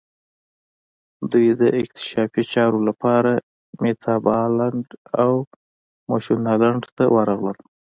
دوی د اکتشافي چارو لپاره میتابالنډ او مشونالند ته ورغلل.